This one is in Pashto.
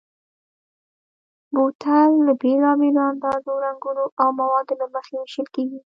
بوتل د بېلابېلو اندازو، رنګونو او موادو له مخې وېشل کېږي.